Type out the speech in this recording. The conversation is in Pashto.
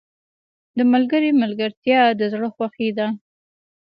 • د ملګري ملګرتیا د زړه خوښي ده.